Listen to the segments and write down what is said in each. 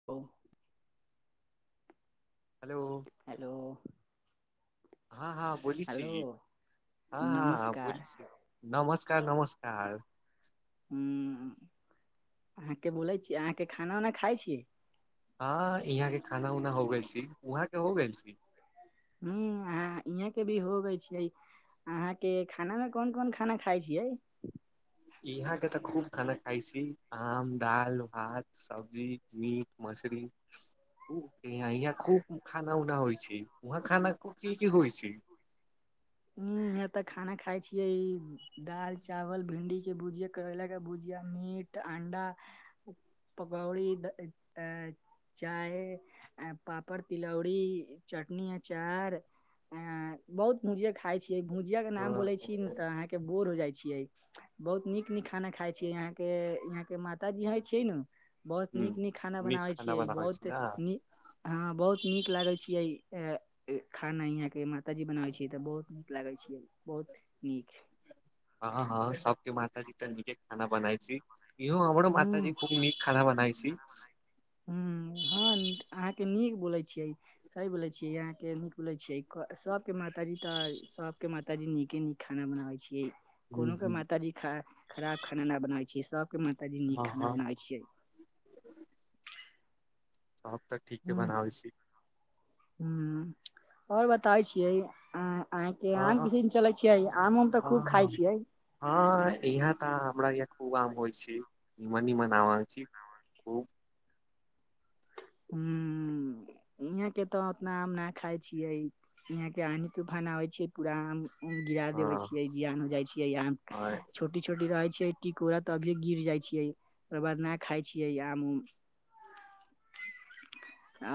[unintelligible] Hello hello हँ-हँ बोली छी, हेलो हँ-हँ बोली नमस्कार छी, नमस्कार-नमस्कार हम्म अहाँके बोलै छी अहाँके खाना उना खाइ छियै। हँ यहाँ के खाना उना हो गेल छी, वहाँ के हो गेल छी हू इहें के भी होगई छै। अहाँ के खाना मे कोन कोन खाना खाय छियै इहां के तऽ खूब खाना खाय छी आम, दाल भात सब्जी, मीट, मच्छरी ईहाँ इहा खूब खाना उना होइ छै, वहाँ खाना खूब की की होइ छै नही। जब तक खाना खाय छीये, दाल, चाव - भिन्डी के भुजिया करैला के भुजिया मीट त अण्डा पकौरी आ [unintelligible] चाय, पापड़, तिलौड़ी, चटनी, अचार अ बहुत भुजिया खाय छियै। भुजिया के नाम ह बोलै छी न तऽ अहाँके बोर हो जाइ छियै। बहुत नीक नीक खाना खाय छीै यहाँ के, यहाँ के माताजी हं छियै न? बहुत नीक नीक खाना बनाबै छियै। बनाबै छी बहुत ने नीक अहाँ बहुत नीक लागै छियै, खाना यहाँके माताजी बनाबै छीै तऽ बहुत नीक लागै छियै। बहुत नीक। हँ हँ हँ, सबके माता जी तऽ नीके खाना बनाइ छै। यौ हमरो ह माताजी खूब नीक खाना बनाइ छी। क [inaudible] अहाँ के नीक बोलै छियै। सही बोले छियै। अहां के मुक ले छै। सबके माताजी तऽ, सबके माताजी नीके नीक खाना बनाबै छियै। कोनोक के हँ माताजी खराब, खराब खाना न बनाबै छियै सबके माताजी नीक खाना हँ बनाबै छियै। हम तऽ ठीके बनाबै सी। ह आओर बताबै छियै अ आहंके हँ आम के दिन चले छियै। आमोम तऽ हँ खूब खाय छियै। हँ यहाँ तऽ हमरा य खूब आम होइ छै। निमनी मनाव छी। ओ [unintelligible] हू इहाँके तऽ ओतना आम ना खाइ छियै। इहाँके आनी तूफाना आबै छै पूरा आम गिरा देबे हँ छियै, जियान जाइ छियै या आम हँ छोटी छोटी रहै छियै टिकोड़ा तभिय गिर जाइ छियै। ओकर बाद ना खाइ छियै आम उम।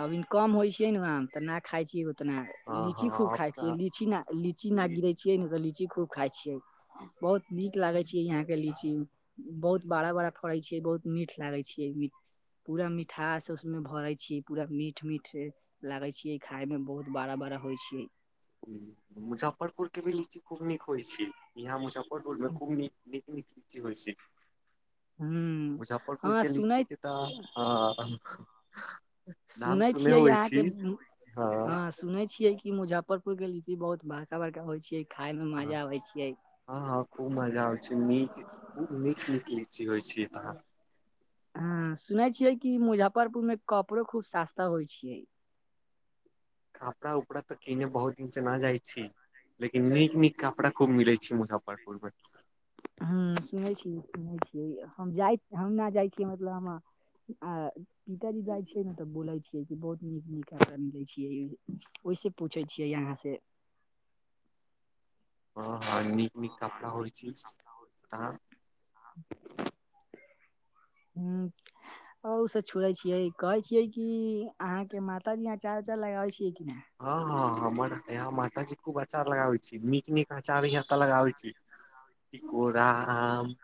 अभी कम होइ छियै ने आम, तऽ ना खाइ छियै। अपना लीची खूब हँ खाइ छियै, तऽ लीची ना लीची ना गिरै छियै ने तऽ लीची खूब खाइ छियै। बहुत नीक लागे छै यहाँ के लीची। बहुत बाड़ा बाड़ा फड़ै छियै, बहुत मीठ लागैत छियै। पूरा मिठास उसमें भरै छी, पूरा मीठ मीठ छै, लागै छियै खाय म बहुत बाड़ा बाड़ा होइ छै। मुजफ्फरपुर के भी लीची खूब नीक होइ छै। इहां मुजफ्फर पुर मे खुब नीक निक लीची होइ छै। हूँ मुजफ्फरपुर हँ के सुनै लीची के तऽ हँ सुनै छियै अहाँके, हँ, सुनै छियै कि मुजफ्फरपुर पुर के लीची बहुत बड़का बड़का होइ छै, खाय मे माजा आबे छियै। हँ हँ खूब माजा आबै छै। नीक, खूब नीक नीक लीची होइ छै एतऽ। ह सुनै छियै कि, मुजफ्फरपुर में कपड़ो खूब सास्ता होइ छियै। कापड़ा उपड़ा तऽ किने बहुत दिन से न जाइ छी। लेकिन नीक नीक कापड़ा खूब मिलै छै मुजफ्फरपुर मे। ह सुनै छी, सुनै छी हम जाइत, हम ना जाइत छी मतलब हम पिताजी जाइ छियै ने तऽ बोलै छियै कि बहुत नीक नीक कपड़ा मिलै छियै। ओहिसे पूछै छियै यहाँ से हँ हँ नीक नीक कपड़ा होइ छै त ह्म [unintelligible] अउ स छोड़ै छियै, कहे छियै कि, अहाँ के माताजी आचार उचार लगाबल छियै कि ने? हँ- हँ हमर यहां मातााजी खूब अचार लगाबे छी नीक- नीक आचार यहां लगाबे छै। टिकोरा आम।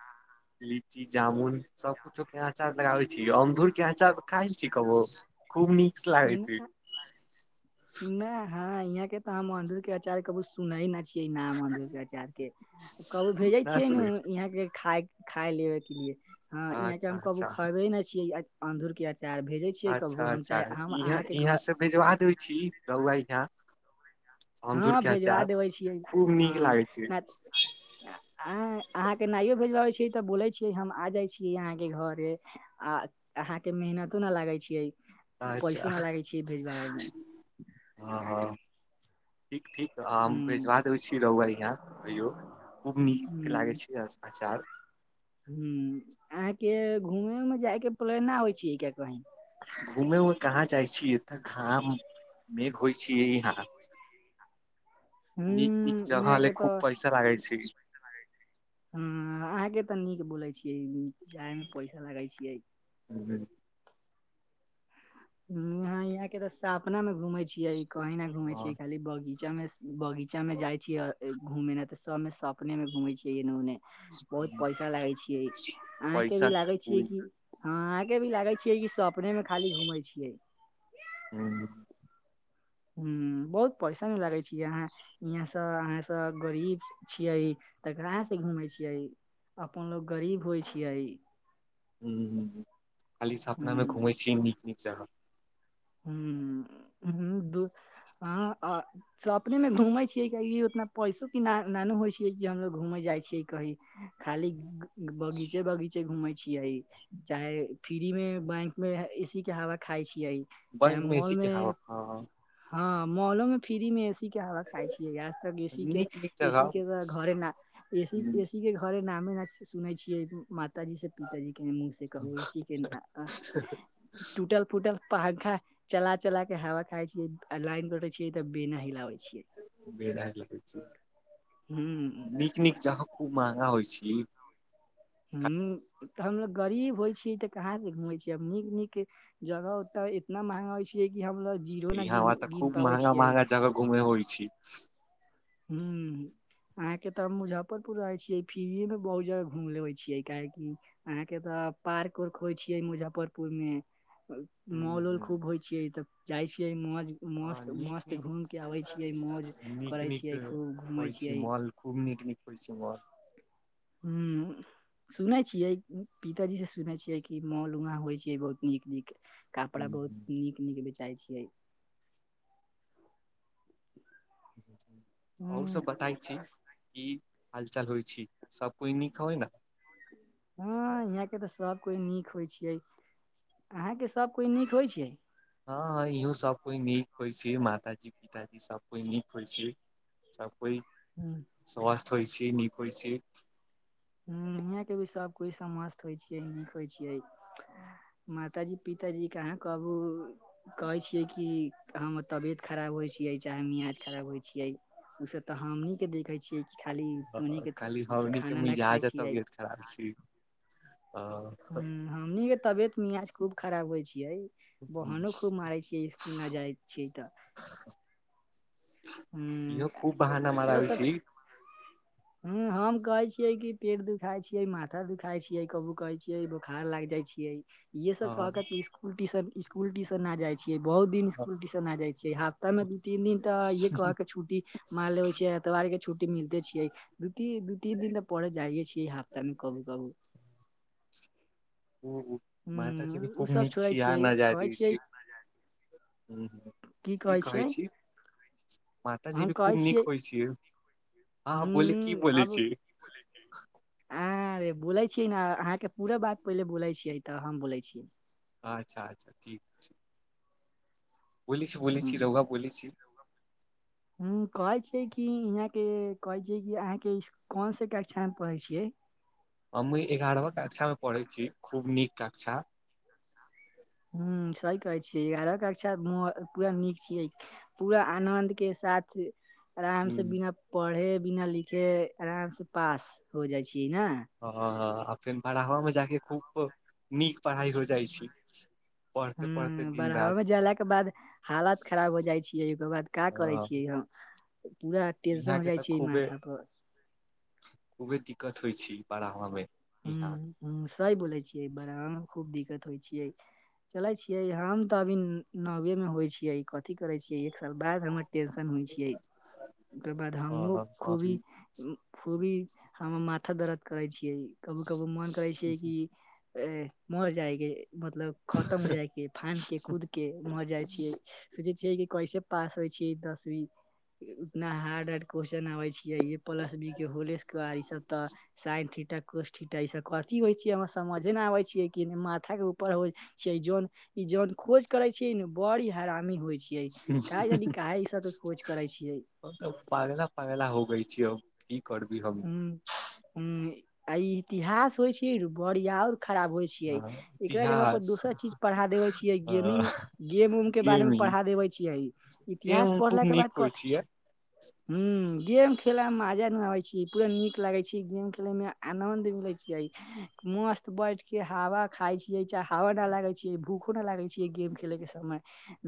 लीची, जामुन सब कुछो के अचार लगाबे छी, अमदुर के अचार काइल छीकबो खूब नीक लागै छी। नै ह यहाँ के तऽ हम अमरुद के आचार कभू सुने ना छी। कि नाम अमरुद के आचार के कबहु भेजे नहि छियै ने सुनै छी यहाँ के खाय खाय लेबे के लिए, हँ यहाँ के अच्छा हम कबहु अच्छा खेबै ने छीयै अनधुर के अचार भेजे अच्छा- अच्छा इहां से भेजवा दै छी रौआ यहाँ। अमदुर हँ के भेजवा अचार देबै छियै खूब नीक लागै छै। आ अहाँके नइयो भेजबाबै छी तऽ बोलै छीयै हम आ जाइ छीयै अहाँके घरे। आ अहाँ के मेहनतो न लागे छियै, पैसो अच्छा न लागे छी भेजबाबे में। हँ- हँ, ठीक- ठीक हम हूँ भेजवा देबै छी रहुआ यहाँ कहियौ। खूब नीक हूँ लागै छै अचार। ह अहाँंके घूमे मे जाय के, प्रेरणा होइ छी किया कहीं। घुमे- उमे कहाँ जाइ छीयै, तऽ घाम मेघ होइ छियै यहां। ह नीक- नीक जगह यहाँ के ले खूब तऽ पैसा लागे छै। ह अहाँके तऽ नीक बोलै छियै, जाइ में पैसा लगै छियै। [inaudible] यहाँ के तऽ सपना में घूमे छियै, कहीं ना घूमे छियै खाली बगी। बीचा मे बगीचा में जाय छियै घूमे लऽ, तऽ सब में सपने मे घूमे छिये एने ओने। बहुत पैसा लागै छियै, अहाँके भी पैसा लागे छियै खूब कि। हँ आहके भी लागै छियै, कि सपने मे खाली घूमै छियै। हूं। हूं बहुत परेसान भी लागे छीयै अहाँं। यहाँ सब अहाँ सब गरीब छियै, तकरा से घूमे छियै। अपन लोग गरीब होइ छियै। हूं खाली सपना मे हूँ घुमै छीयै नीक- नीक जगह। हूं- हूं दू आहां आ सपने मे घूमे छियै कि, उतना पैसो कानो ना- ना होइ छीयै कि हमलोग घूमे जाइ छियै कहीं खाली बगीचे- बगीचे घूमेै छियै। चाहे फ्री मे बैंक मे एसी के हवा खााय छियै। चाहे बैंक में एसी मॉल के मे हवा ह। हँ मॉलों फ्री में ए के हवा खााय छियै। आजतक एसी के नीक नीक एसी जगह के तऽ घरे ना एीसी- एसी के घरे नामे ना से सुनै छियै। माता जी से पिताजी के मुँह से कहूं एसी के आ -आ टूटल- फुटल पंखा चला- चला के हवा खााय छीयै, आ लाइन कटल तऽ बेना हिलाबे छीयै। बेना हिलाबै छीयै, हूं नीक- नीक जहां खूब महंगा होइ छी। हू तऽ हमलोग गरीब होइ छी तऽ कहाँसँ घुमै छी, आब नीक- नीक जगह उ तऽ इतना महंगा हो छै कि हमलोग जीरो न यहाँ गिन तऽ गिन खूब पाबै महंगा- छियै महंगा जगह घूमे होइ छी। हूँऽ। आहं के तऽ मुजफ्फरपुर रहय छियै, फिरए में बहुत जगह घूम लेवे छियै काहेेकी अहाँके तऽ पार्क- उर्क होइ छियै मुजफ्फरपुर में। मॉल औल खूब होइ छैय तब जाइ छियै मौज हँ मस्त- नीक मस्त नीक घूमके आबै छियै मौज नीक करै नीक छियै खूब घूमै होइ छी छियै। मॉल खूब नीक -नीक [unintelligible] हूँ। सुनै छियै पिताजी से सुनै छियै कि मॉलमे होइ छैैय बहुत नीक-नीक कपड़ा बहुत नीक- नीक बेचाय छियै। और हूँ सभ बताय छी। की हाल चाल होइ छी सब कोइ नीक होइ न। हँ इहाँके त सभ कोइ नीक होइ छियै अहाँके सभ कोइ नीक होइ छियै। हँ- हँ इहो सभ कोइ नीक होइ छैय माताजी- पिताजी सभ कोइ नीक होइ छैय। सब कोइ हँ स्वस्थ होइ छी, नीक होइ छी। ह यहाँ के भी सब कोई सब मस्त होइ छियै नीक होइ छियै। मातााजी पिताजी कहाँ कबू कहै छियै कि हम तबियत खराब होइ छियै चाहे मियाज खराब होइ छियै ओय से त हमनीके देखै छियै खाली तोहनीके खाली हमनी खाना न [unintelligible] तबियत खराब छी अ ह हमनीक के तबियत मियाज खूब खराब होइ छियै। बहानो खूब मारै छियै इसकुल न जाइ छियै त। इहो हूँ खूब बहाना माराबइ छी। हू हम कहै छियो कि पेट दुखाय छियै, माथा दुखाय छियै कबू कहै छियै बोखार लाग जाय छी यै। ये अ, सब कह के इ स्कुल टीशन, स्कुल टीशन न जाय छियै बहुत दिन स्कुलटीशन न जाय छियै हाफ तामे दू तीन दिन त ये कह केऽ छुट्टी मार लेबे छियै एतवारके छुट्टी मिलते छियै। द त दू तीन दिन त पढ़े जाइते छियै हफ्तामे कबू- कबू। उहु माताजी हूं भी उ खूब सब नीक छोड़े छी छियै यहाँ न जाय कहै दै छियै छी। हू-ह। की कहै छी मातााजी हम भी कहै खूब नीक होइ छियै। अहाँ बोलू की बोलय छी। आरे बोलै छी ने अहाँके पूरा बात पहिले बोलै छियै त हम बोलै छियै। अच्छा-अच्छा ठीक छैय। बोली छी बोली हूं छी [unintelligible] बोली छी। ह कहै छियै कि इहाँके कहै छियै कि अहाँके कौन से कक्षामे पढ़ै छियै। हमू एगारहवा कक्षामे पढ़ै छियै खूब नीक कक्षा। ह सही कहै छियै एगारह कक्षा पूरा नीक छियै। पूरा आनन्दके साथ। आराम से हूँ, बिना पढ़े बिना लिखे आराम से पास हो जाइ छियै न। ह-ह आ फेर बारहवा मे जाके खूब नीक पढ़ाइ हो जाइ छैय। ह बड़हवा मे जालाके बाद हालत खराब हो जाइ छियै [unintelligible] का कहै हँ, छियै हम पूरा यहाँ टेंशन हो के तऽ जाइ छियै खूबे माथा पर। खूबे दिक्कत होइ छी बारहवामे। ह सही बोलै छियै बारहवामे खूब दिक्कत होइ छियै। चले छियै हम तऽ अभी नवे मे होइ छियै। कथी करै छियै, एक साल बाद हमर टेंशन होइ छियै। ओकर बाद हमहुँओ हँ, खूबी अभी खूबी हमर माथा दर्द करै छियै, कबो कबो मोन करै छियै कि अ मर जाए के मतलब खतम हो जाय के, फान के कूद के मर जाइ छियै। सोचै छियै कि कैसे पास होइ छै, दसवीं उतना हार्ड हार्ड क्वेश्चन आबै छियै प्लस बी के होल स्क्वायर ई सब तऽ साइन थीटा, कोस थीटा कथी होइ छियै हमे समझे नहि आबै छियै कि नहि माथा के ऊपर होइ छै ई जौन ई जौन खोज करे छियै ने बड़ी हरामी होइ छै। काहे जाने के ई सब के खोज करै छियै। हम तऽ पगला पागला हो गई छी हम, की करबै हम। ई इतिहास होइ छै बड़िया और खराब होइ छै। छियै हँ, एकरा जगह पर इतिहास दोसर चीज पढ़ा देबै छियै गेमिंग हँ, गेम उम के बारेमे गेमिंग पढ़ा देबै छियै। इतिहास गेम पढ़ल खूब के बाद नीक होइ कथी छियै हुं, गेम खेला मे मजा नहि आबै छै। पूरा नीक लागे छै गेम खेले में आनंद मिले छियै। मस्त बैठ के हवा खाय छियै चाहे हवा न लागे छियै भूखो न लागे छियै गेम खेलै के समय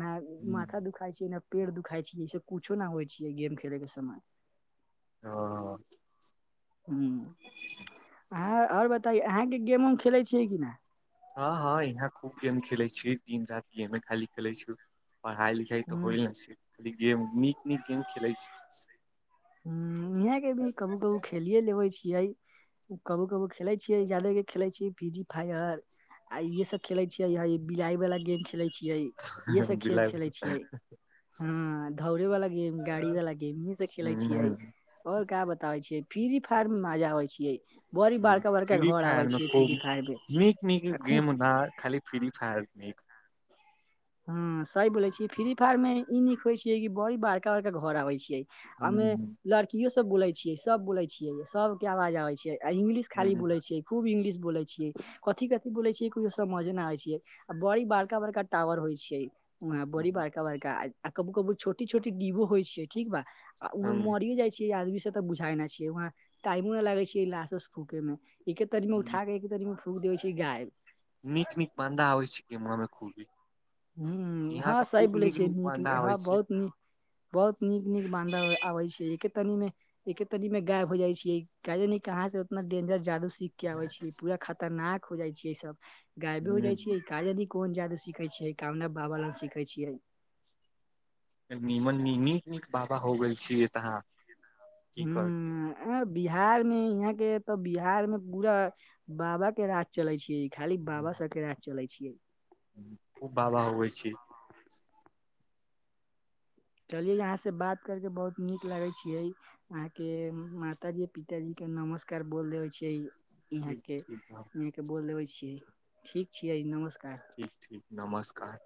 नहि ह माथा दुखाय छियै नहि पेड़ दुखाय छियै इ सब कुछो न होइ छै गेम खेले के समय। हं। हं अहाँ और बताइए अहाँके गेम उम खेलै छियै कि नै। हँ हं यहां खूब गेम खेले छी, दिन राति गेमे खाली खेले छी, पढ़ाई लिख तऽ न होइल नहि छै, खाली गेम नीक नीक गेम खेलै छी। हुं इहां के भी कबी कबी खेलिए लेबै छियै कभी कभी खेलै छियै जादे खेलै छियै फ्री फायर आ इहे सब खेलै छियै ह बिलाइवला गेम खेलै छियै। इहे सब गेम बिलाइ खेले छियै हँ दौड़े वाला गेम, गाड़ी वला गेम, इहे सब खेलै छियै। छियै। और का बताबै छियै फ्री फायर मे मजा आबै छियै। बड़ी बड़का बड़का फ्री घर आबै फायर मे छियै फ्री खुब, फायर मे नीक नीक आ खूब गेम न खाली फ्री फायर न हं सही बोलै छियै कि फ्री फायर में ई नीक होइ छियै कि बड़ी बड़का बड़का घर आबै छियै। हमे हूँ लड़कियो सब बोलै छियै सब बोलै छियै, सबके आवाज आबे छै इंगलिश खाली हूँ बोलै छियै खूब इंग्लिश बोलै छियै, कथी कथी बोलै छियै कुछो समझे नहि आई छियै आ बड़ी बड़का बड़का टावर होइ बड़ी हूँ बड़का बड़का, कबू कबू छोटी छोट डिबो होइ छै। ठीक बा, आ उसे मे हूँ। मरी जाइ छियै, आदमी से त बुझाय नै छै वहाँ टाइमो न लागै छै लास उस फूकै में एक एक आदमी उठाकऽ कनियो फ्रूड देबै छै गायब। नीक नीक पाण्डा आबै छै कमरा मे खूबी। हुं हँ सही बोलै छियै, नीक बान्दा आबै हँ छै बहुत नीक। बहुत नीक नीक बांधा आबै छै एके तनी मे एके तरि में गायब हो जाइ छै, काल्हि निक अहाँ सभ उतना डेंजर जादू सब सीख के आबै छी पूरा खतरनाक हो जाइ छै ई सब गायबे हो जाइ हूँ छै। का जानी कोन जादू सीखै छियै कोना बाबा लग सीखै छियै। निमन नी नीक नीक बाबा हो गेल छियै एत अहाँ की कहत। ह बिहार मे यहाँ के तऽ बिहार में पूरा बाबा के राज चले छींक। खाली बाबा सबके राज चलै छै। हो बाबा आबे छी। चली अहाँसँ बात करिके बहुत नीक लगै छियै। अहाँ के माता जी पिताजी के नमस्कार बोल देबै छि। ठीक इहाँके ठीक हँ। इहाँके बोल देबै छियै ठीक छियै नमस्कार। ठीक ठीक नमस्कार।